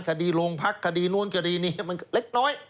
คดีโรงพักคดีนู้นคดีนี้มันเล็กน้อย